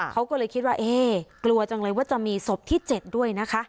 เขาก็เลยคิดว่าเอ๊ะกลัวจังเลยว่าจะมีศพที่๗ด้วยนะคะ